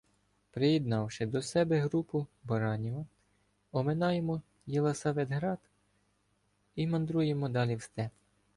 Приєднавши до себе групу Бараніва, оминаємо Єлисаветград і мандруємо далі в степ.